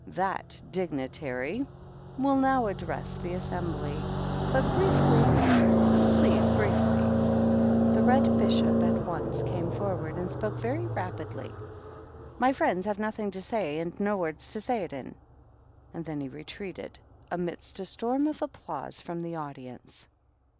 That dignitary will now address the assembly, — but briefly, please, briefly." , The Red Bishop at once came forward and spoke very rapidly. " Myfriendsihavenothingto sayandnowordstosayitin." He then retreated, amidst a storm of applause from the audience.